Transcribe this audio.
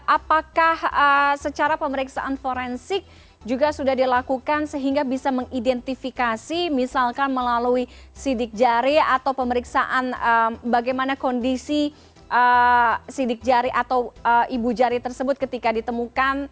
apakah secara pemeriksaan forensik juga sudah dilakukan sehingga bisa mengidentifikasi misalkan melalui sidik jari atau pemeriksaan bagaimana kondisi sidik jari atau ibu jari tersebut ketika ditemukan